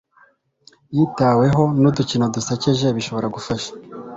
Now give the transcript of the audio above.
yitaweho n'udukino dusekeje bishobora gufasha